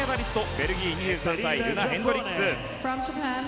ベルギー、２３歳ルナ・ヘンドリックス。